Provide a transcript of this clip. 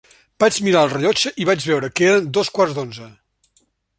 Vaig mirar el rellotge i vaig veure que eren dos quarts d'onze.